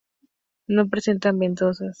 No presentan ventosas.